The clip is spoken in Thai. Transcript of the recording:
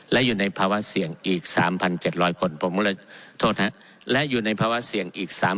และอยู่ในภาวะเสี่ยงอีก๓๗๐๐แห่ง